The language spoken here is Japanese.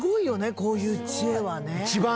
こういう知恵はね。